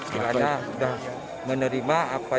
karena sudah menerima apa yang